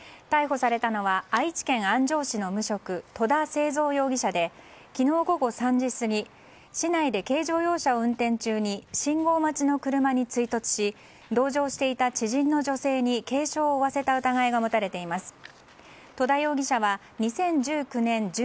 逮捕されたのは愛知県安城市の無職戸田誠三容疑者で昨日午後３時過ぎ市内で軽乗用車を運転中に信号待ちの車に追突し同乗していた知人の女性に軽傷を負わせた疑いが持たれています。